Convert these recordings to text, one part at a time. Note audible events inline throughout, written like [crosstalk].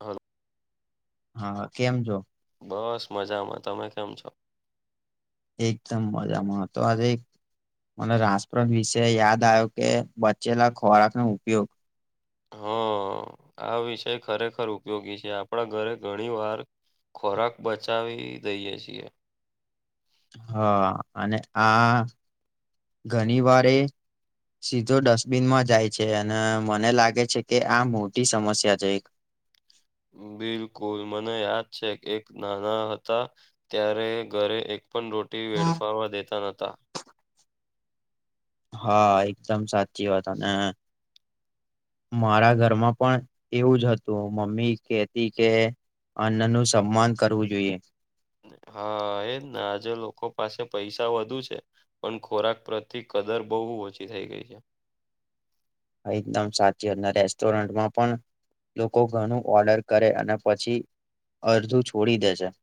Hello. હા હા કેમ છો બસ મજામાં તમે કેમ છો એકદમ મજામાં તો આજે એક મને રાસપ્રદ વિશે યાદ આવ્યો કે બચેલા ખોરાક નો ઉપયોગ હા આ વિષય ખરેખર ઉપયોગી છે આપણા ઘરે ઘણી વાર ખોરાક બચાવી દઈએ છીએ. હા અને આ ઘણી વારે સીધો ડસ્ટબિનમાં જાય છે અને મને લાગે છે કે આ મોટી સમસ્યા છે એક. બિલકુલ મને યાદ છે એક નાના હતા ત્યારે ઘરે એક પણ રોટી વેડફાવા દેતા ન હતા. હા એકદમ સાચી વાત અને [unintelligible] મારા ઘરમાં પણ એવું જ હતું મમ્મી કેતી કે અન્ન નું સન્માન કરવું જોઈએ. હા એજને આજે લોકો પાસે પૈસા વધુ છે. પણ ખોરાક પ્રતી કદર બહુ ઓછી થઈ ગઈ છે. એકદમ સાચી વાત તારી અને રેસ્ટોરન્ટમાં પણ લોકો ઘણું ઓર્ડર કરે અને પછી અડધું છોડી દે છે.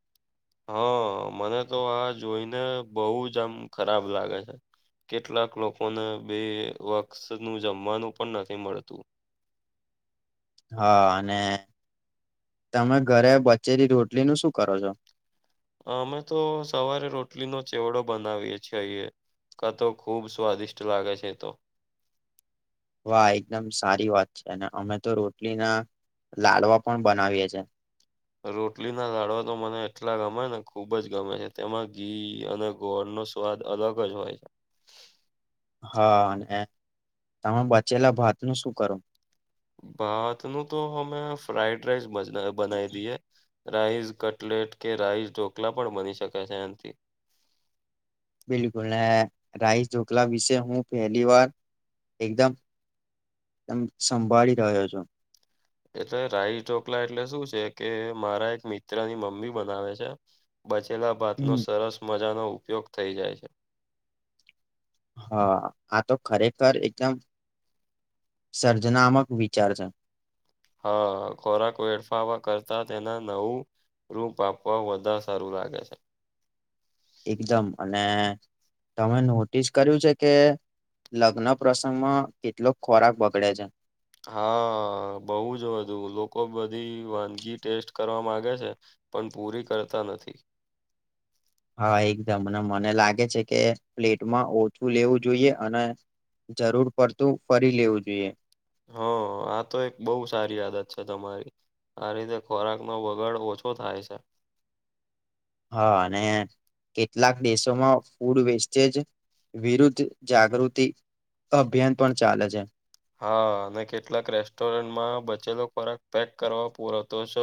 હા મને તો આ જોઈને બહુ જ આમ ખરાબ લાગે છે. કેટલાક લોકોને બે વખત નું જમવાનું પણ નથી મળતું. હા અને તમે ઘરે બચેલી રોટલીનું શું કરો છો? અમે તો સવારે રોટલીનો ચેવડો બનાવીએ છીએ અહીએ. કાતો ખૂબ સ્વાદિષ્ટ લાગે છે એતો. વાહ એકદમ સારી વાત છે અને અમે તો રોટલીના લાડવા પણ બનાવીએ છે. રોટલી ના લાડવા તો મને એટલા ગમેને ખુબ જ ગમે છે તેમાં ઘી અને ગોળનો સ્વાદ અલગ જ હોય છે. હા અને તમે બચેલા ભાત નું શું કરો ભાતનું તો હમે ફ્રાઈડ રાઈસ બનાઈ દીએ. રાઈસ કટલેટ કે રાઈસ ઢોકલા પણ બની શકે છે એનાથી. બિલકુલ અને રાઈસ ઢોકલા વિશે હું પહેલી વાર એકદમ એમ સંભાળી રહ્યો છું. એટલે રાઇસ ઢોકલા એટલે શું છે કે મારા એક મિત્રની મમ્મી બનાવે છે. બચેલા ભાતનો હમ સરસ મજાનો ઉપયોગ થઈ જાય છે. હા આ તો ખરેખર એકદમ સર્જનામક વિચાર છે. હા ખોરાક વેડફાવા કરતા તેના નવુ રૂપ આપવા વધારે સારું લાગે છે. એકદમ અને તમે નોટિસ કર્યું છે કે લગ્ન પ્રસંગમાં કેટલોક ખોરાક બગડે છે. હા બહુ જ વધું લોકો બધી વાનગી ટેસ્ટ કરવા માગે છે. પણ પૂરી કરતા નથી. હા એકદમ અને મને લાગે છે કે પ્લેટમાં ઓછું લેવું જોઈએ અને જરૂર પડતું ફરી લેવું જોઈએ. હ આ તો એક બહુ સારી આદત છે તમારી. આ રીતે ખોરાકનો બગાડ ઓછો થાય છે. હા અને કેટલાક દેશોમાં ફૂડ વેસ્ટેજ વિરુદ્ધ જાગૃતિ અભિયાન પણ ચાલે છે. હા અને કેટલાક રેસ્ટોરન્ટમાં બચેલો ખોરાક પેક કરવા પૂરોતો સ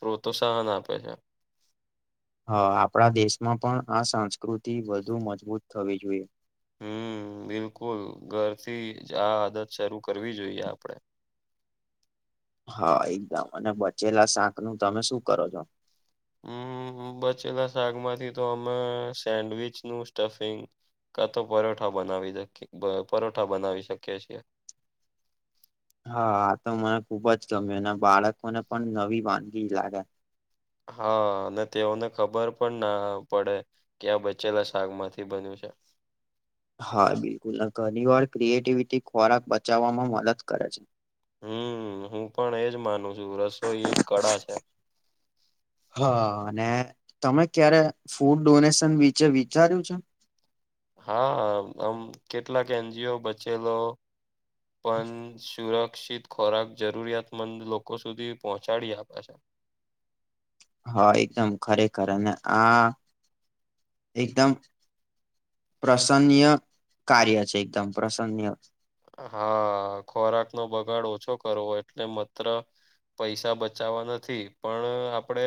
પ્રોત્સાહન આપે છે. હા આપણા દેશમાં પણ આ સંસ્કૃતિ વધુ મજબૂત થવી જોઈએ. હમ બિલકુલ ઘરથી આ આદત શરૂ કરવી જોઈએ આપડે. હા એકદમ. અને બચેલા શાકનું તમે શું કરો છો? અમ બચેલા શાકમાંથી તો અમે સેન્ડવીચનું સ્ટફિંગ કા તો પરોઠા બનાવી શકી, પરોઠા બનાવી શકીએ છીએ. હા આ તો મને ખુબ જ ગમ્યું. અને બાળકોને પણ નવી વાનગી જ લાગે. હહ અને તેઓને ખબર પણ ના પડે. કે આ બચેલા શાકમાંથી બન્યું છે. હા બિલકુલ. ને ઘની વાર ક્રિએટિવિટી ખોરાક બચાવવામાં મદદ કરે છે. હમ હું પણ એજ માનું છું. રસોઈ એક કળા છે. હા અને તમે ક્યારે ફૂડ ડોનેશન વિચે વિચાર્યું છે? હા આમ કેટલાક એનજીઓ બચેલો. પન સુરક્ષિત ખોરાક જરૂરિયાતમંદ લોકો સુધી પહોંચાડી આપે છે. હા એકદમ ખરેખર. અને આ એકદમ પ્રસન્ન્ય કાર્ય છે. એકદમ પ્રસન્ન્ય. હા ખોરાકનો બગાડ ઓછો કરવો, એટલે મત્ર પૈસા બચાવા નથી. પણ આપડે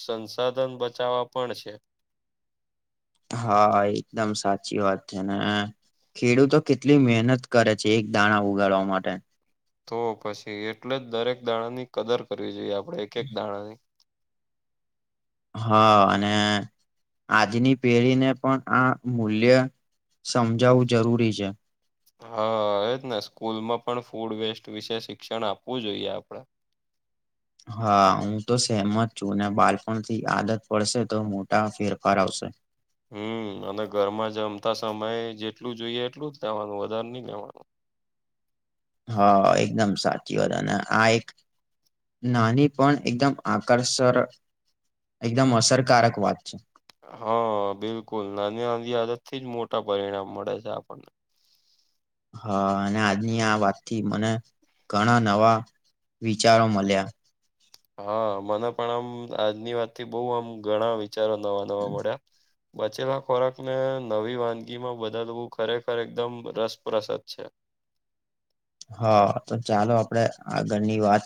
સંસાધન બચાવા પણ છે. હા એકદમ સાચી વાત હે ને. ખેડૂતો કેટલી મહેનત કરે છે એક દાણા ઉગાડવા માટે. તો પછી એટલે જ દરેક દાણાની કદર કરવી જોઈએ આપણે. એક એક દાણાની. હા અને આજની પેઢીને પણ આ મૂલ્ય સમજાવું જરૂરી છે. હા એજ ને સ્કૂલમાં પણ ફૂડ વેસ્ટ વિશે શિક્ષણ આપવું જોઈએ આપણે. હા હું તો સહેમત છું. ને બાલપણથી આદત પડશે તો મોટા ફેરફાર આવશે. હમ અને ઘરમાં જમતા સમયે જેટલું જોઈએ એટલું જ લેવાનું, વધારે નઈ લેવાનું. હા એકદમ સાચી વાત. અને આ એક નાની પણ એકદમ આકર્ષણ, એકદમ અસરકારક વાત છે. હા બિલકુલ. નાની અમથી આદતથી જ મોટા પરિણામ મળે છે આપણને. હા અને આજની આ વાતથી મને ઘણા નવા વિચારો મળ્યા. હા મને પણ આમ આજની વાતથી બહુ આમ ઘણા વિચારો નવા નવા મળ્યા. બચેલા ખોરાકને નવી વાનગીમાં બદલવું ખરેખર એકદમ રસપ્રસદ છે. હા તો ચાલો આપડે આગળની વાત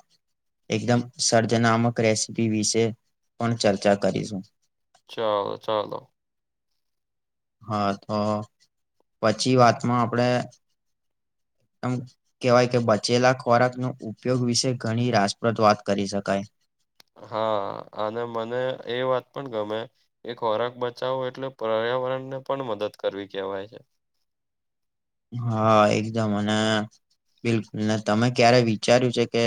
એકદમ સર્જનામક રેસીપી વિશે પણ ચર્ચા કરીશું. ચલો ચલો. હહ તો પછી વાતમાં આપણે આમ કહેવાય કે બચેલા ખોરાકનો ઉપયોગ વિશે ઘણી રાસપ્રદ વાત કરી શકાય. હા અને મને એ વાત પણ ગમે. એ ખોરાક બચાવો એટલે પર્યાવરણને પણ મદદ કરવી કહેવાય છે. હહ એકદમ અને બિલકુલ. ને તમે ક્યારે વિચાર્યું છે કે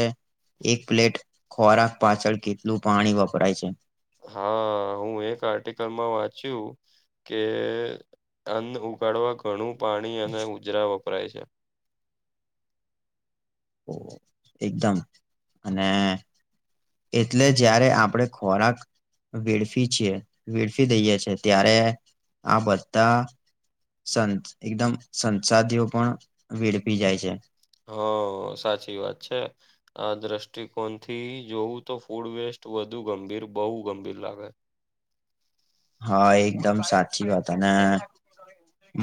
એક પ્લેટ ખોરાક પાછળ કેટલું પાણી વપરાય છે? હા હું એક આર્ટિકલમાં વાંચ્યું કે અન્ન ઉગાડવા ઘણું પાણી અને ઉજરા વપરાય છે. હોવ એકદમ. અને એટલે જયારે આપણે ખોરાક વેડફી છીએ, વેડફી દઈએ છે. ત્યારે આ બધાં સં એકદમ સંસાધીઓ પણ વેડફી જાય છે. હહ સાચી વાત છે. અ દ્રષ્ટિકોણથી જોવું તો ફૂડ વેસ્ટ વધુ ગંભીર, બહુ ગંભીર લાગે. હા એકદમ સાચી વાત અને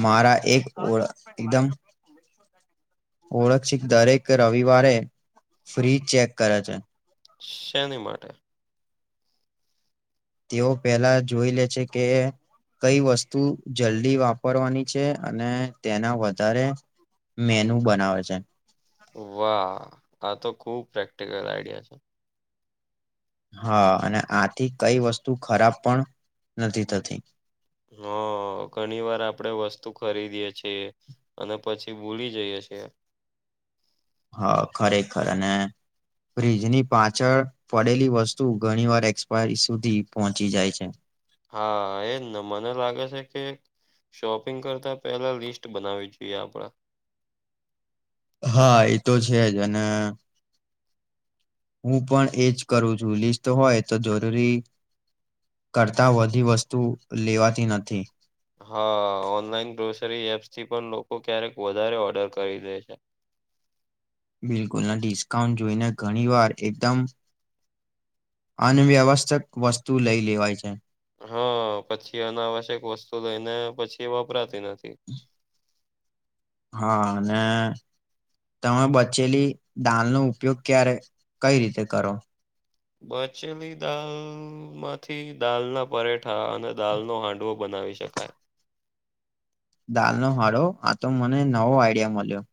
મારા એક ઓળ એકદમ ઓળખિત દરેક રવિવારે ફ્રી ચેક કરે છે. શેની માટે? તેઓ પેલા જોઈ લે છે કે કઈ વસ્તુ જલ્દી વાપરવાની છે અને તેના વધારે મેનુ બનાવે છે. વાહ આ તો ખુબ પ્રેક્ટિકલ આઈડિયા છે. હા અને આથી કઈ વસ્તુ ખરાબ પણ નથી થતી. હા ઘણી વાર આપણેે વસ્તુ ખરીદીએ છીએ અને પછી બૂલી જઈ છીએ. હા ખરેખર અને ફ્રિજની પાછળ પડેલી વસ્તુ ઘણી વાર એક્સપાયરી સુધી પહોંચી જાય છે. હા એજ ને મને લાગે છે કે શોપિંગ કરતાં પહેલા લિસ્ટ બનાવી જોઈએ આપણે. હા એ તો છે જ અને હું પણ એજ કરું છું લિસ્ટ હોય તો જરૂરી કરતા વધી વસ્તુ લેવાતી નથી. હા ઓનલાઈન ગ્રોસરી એપ્સથી પણ લોકો ક્યારેક વધારે ઓર્ડર કરી દે છે. બિલકુલ ડિસ્કાઉન્ટ જોઈને ઘણી વાર એકદમ અનવ્યવસ્થક વસ્તુ લઈ લેવાય છે. હા પછી અનાવશ્યક વસ્તુ લઈ ને પછી વપરાતી નથી. હા અને તમે બચેલી દાળ નો ઉપયોગ ક્યારે કઈ રીતે કરો? બચેલી દાલ માંથી દાલ ના પરેઠા અને દાલ નો હાંડવો બનાવી શકાય. દાલ નો હાંડવો આ તો મને નવો આઈડિયા મળ્યો.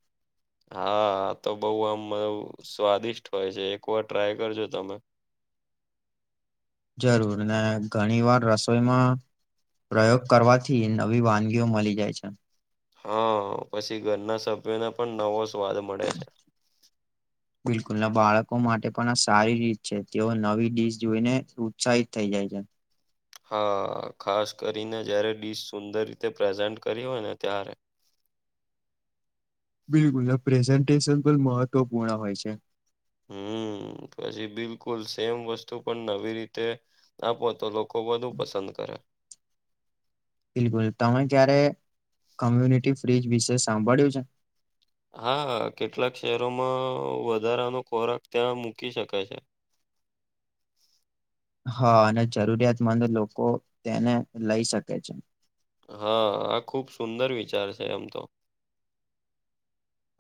હા તો બઉ આમ સ્વાદિષ્ટ હોય છે એક વાર ટ્રાય કરજો તમે. જરૂર ને ઘણી વાર રસોઈમાં પ્રયોગ કરવાથી નવી વાનગી મળી જાય છે. હા પછી ઘરના સભ્યોને પણ નવો સ્વાદ મળે છે. બિલકુલ ના બાળકો માટે પણ આ સારી રીત છે તેઓ નવી ડીશ જોઈને ઉત્સાહિત થઈ જાય છે. હા ખાસ કરીને જયારે ડીશ સુંદર રીતે પ્રેઝન્ટ કરી હોય ને ત્યારે. બિલકુલ પ્રેઝન્ટેશન પણ મહત્વપૂર્ણ હોય છે. હમ પછી બિલકુલ સેમ વસ્તુ પણ નવી રીતે આપો તો ખૂબ વધુ પસંદ કરે. બિલકુલ તમે ક્યારે કોમ્યુનિટી ફ્રીજ વિશે સાંભળ્યું છે! હા કેટલાક શહેરોમાં વધારાનો ખોરાક ત્યાં મૂકી શકે છે. હા અને જરૂરિયાતમંદ લોકો તેને લઈ શકે છે. હા આ ખુબ સુંદર વિચાર છે એમ તો.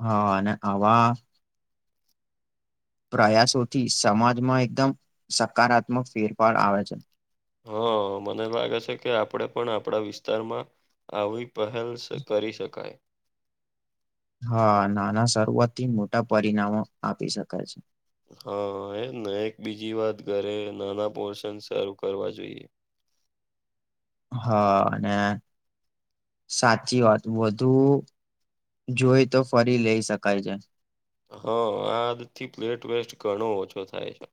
હા અને આવા પ્રયાસોથી સમાજમાં એકદમ સકારાત્મક ફેરફાર આવે છે. હા મને લાગે છે કે આપણેે પણ આપણા વિસ્તારમાં આવી પહેલ કરી શકાય. હા નાના શરૂઆત થી મોટા પરિણામો આપી શકાય છે. હા એમ ને એક બીજી વાત ઘરે નાના પોર્શન સર્વ કરવા જોઈએ. હા અને સાચી વાત વધુ જોઈ તો ફરી લઈ શકાય છે. હા આદતથી પ્લેટ વેસ્ટ ઘણો ઓછો થાય છે.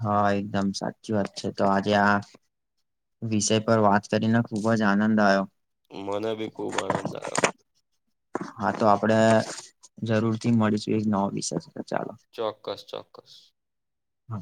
હા એકદમ સાચી વાત છે તો આજે આ વિષય પર વાત કરીને ખૂબ જ આનંદ આવ્યો. મને ભી ખુબ આનંદ આયો. હા તો આપડે જરૂર થી મળીશું એક નવ વીષય પર ચાલો. ચોક્કસ ચોક્કસ. હા.